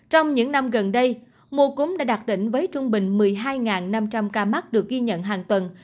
trong những năm gần đây mùa cúm đã đạt đỉnh với trung bình một mươi hai năm trăm linh ca mắc được ghi nhận hàng tuần